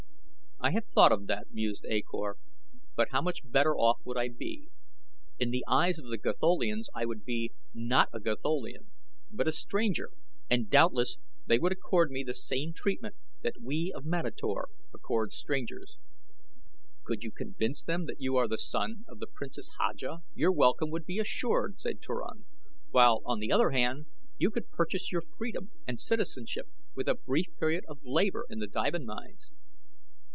"I have thought of that," mused A Kor; "but how much better off would I be? In the eyes of the Gatholians I would be, not a Gatholian; but a stranger and doubtless they would accord me the same treatment that we of Manator accord strangers." "Could you convince them that you are the son of the Princess Haja your welcome would be assured," said Turan; "while on the other hand you could purchase your freedom and citizenship with a brief period of labor in the diamond mines."